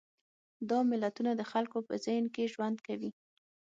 دا ملتونه د خلکو په ذهن کې ژوند کوي.